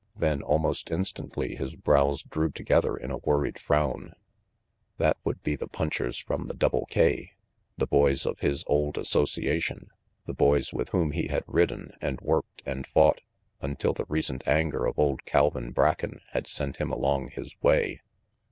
Then almost instantly his brows drew together in a worried frown. That would be RANGY PETE 173 the punchers from the Double K, the boys of his old association, the boys with whom he had ridden and worked and fought, until the recent anger of old Calvin Bracken had sent him along his way.